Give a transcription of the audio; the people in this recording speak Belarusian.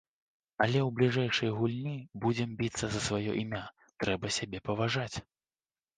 Але ў бліжэйшай гульні будзем біцца за сваё імя, трэба сябе паважаць.